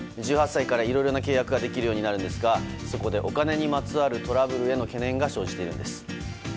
１８歳からいろいろな契約ができるようになるんですがそこでお金にまつわるトラブルへの懸念が生じているんです。